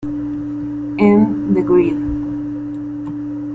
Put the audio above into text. End the greed.